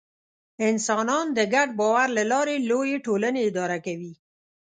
انسانان د ګډ باور له لارې لویې ټولنې اداره کوي.